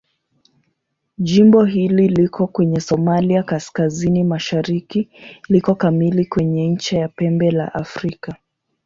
Jimbo hili liko kwenye Somalia kaskazini-mashariki liko kamili kwenye ncha ya Pembe la Afrika.